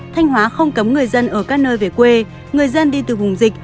thanh hóa không cấm người dân ở các nơi về quê người dân đi từ vùng dịch